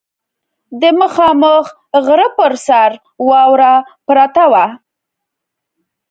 د مخامخ غره پر سر واوره پرته وه.